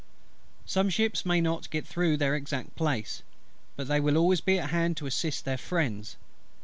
Some ships may not get through their exact place, but they will always be at hand to assist their friends.